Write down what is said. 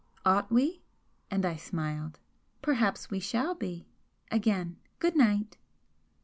"Ought we?" and I smiled "Perhaps we shall be! Again, Good night!"